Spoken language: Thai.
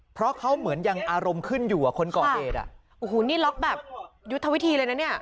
เพราะเขาเหมือนยังอารมณ์ขึ้นอยู่อ่ะคนก่อเหตุอ่ะโอ้โหนี่ล็อกแบบยุทธวิธีเลยนะเนี่ย